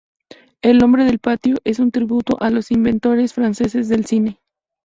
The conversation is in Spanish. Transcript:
El nombre del patio es en tributo a los inventores franceses del cine.